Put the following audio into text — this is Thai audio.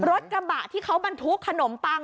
รถกระบะที่เขาบรรทุกขนมปัง